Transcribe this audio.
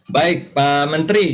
baik pak menteri